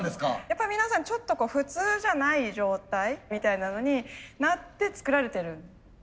やっぱり皆さんちょっと普通じゃない状態みたいなのになって作られてるんですよね。